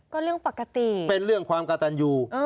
ก็เรื่องปกติเป็นเรื่องความกระตันอยู่